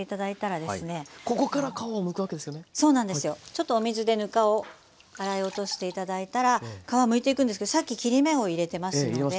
ちょっとお水でぬかを洗い落として頂いたら皮をむいていくんですけどさっき切り目を入れてますので。